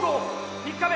３日目